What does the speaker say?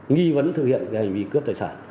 nghi vấn thực hiện hành vi cướp tài sản